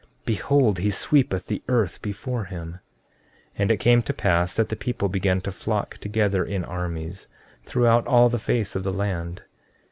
Behold, he sweepeth the earth before him! 14:19 And it came to pass that the people began to flock together in armies, throughout all the face of the land.